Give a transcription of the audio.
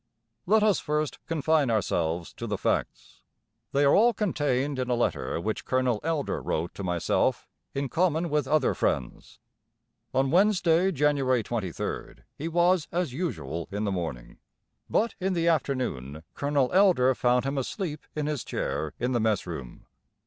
Let us first confine ourselves to the facts. They are all contained in a letter which Colonel Elder wrote to myself in common with other friends. On Wednesday, January 23rd, he was as usual in the morning; but in the afternoon Colonel Elder found him asleep in his chair in the mess room.